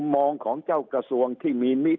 สุดท้ายก็ต้านไม่อยู่